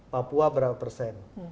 papua berapa persen